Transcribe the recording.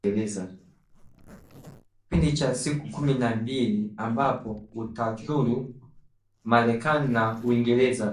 kipindi cha siku kumi na mbili ambapo atazuru Marekani na Uingereza